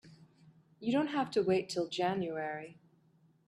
You don't have to wait till January.